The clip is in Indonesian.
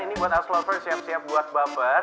ini buat oxlover siap siap buat baper